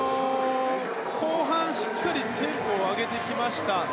後半、しっかりテンポを上げてきました。